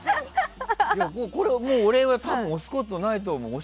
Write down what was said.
俺はもう押すことないと思う。